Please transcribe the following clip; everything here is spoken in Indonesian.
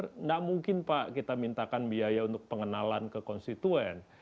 tidak mungkin pak kita mintakan biaya untuk pengenalan ke konstituen